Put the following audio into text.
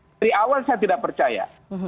dari awal saya tidak percaya